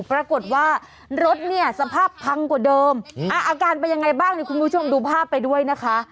ปรากฏว่ารถเนี่ยสภาพพังกว่าเดิมอาการเป็นยังไงบ้างนี่คุณผู้ชมดูภาพไปด้วยนะคะ